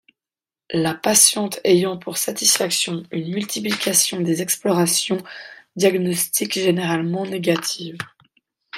La patiente ayant pour satisfaction une multiplication des explorations diagnostiques généralement négatives.